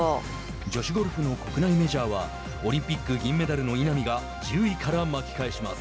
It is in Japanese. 女子ゴルフの国内メジャーはオリンピック銀メダルの稲見が１０位から巻き返します。